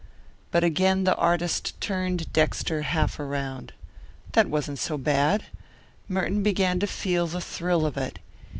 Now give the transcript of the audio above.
But again the artist turned Dexter half around. That wasn't so bad. Merton began to feel the thrill of it.